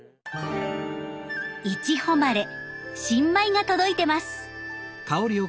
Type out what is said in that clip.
いちほまれ新米が届いてます！